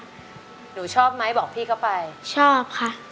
คุณแม่รู้สึกยังไงในตัวของกุ้งอิงบ้าง